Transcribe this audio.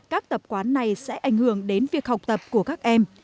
các tập quán này sẽ ảnh hưởng đến việc học tập của các em